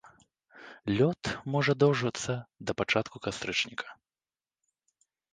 Лёт можа доўжыцца да пачатку кастрычніка.